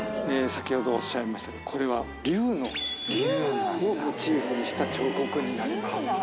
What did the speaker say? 先ほどおっしゃいましたこれは。にした彫刻になります。